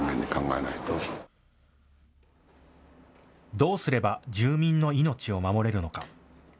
どうすれば住民の命を守れるのか。